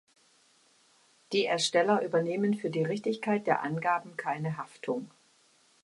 Die Ersteller übernehmen für die Richtigkeit der Angaben keine Haftung.